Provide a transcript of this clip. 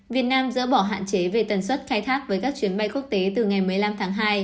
việt nam dỡ bỏ hạn chế về tần suất khai thác với các chuyến bay quốc tế từ ngày một mươi năm tháng hai